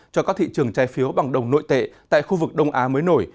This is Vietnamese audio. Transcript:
cho các thị trường trái phiếu bằng đồng nội tệ tại khu vực đông á mới nổi